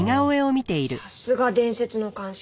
さすが伝説の鑑識。